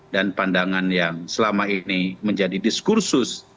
dan pandangan yang selama ini menjadi diskursus